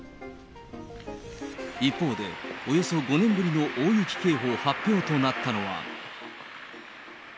一方で、およそ５年ぶりの大雪警報発表となったのは。